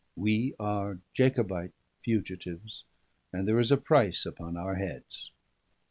We are Jacobite fugitives, and there is a price upon our heads."